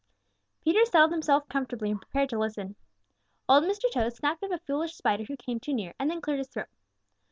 Peter settled himself comfortably and prepared to listen. Old Mr. Toad snapped up a foolish spider who came too near and then cleared his throat.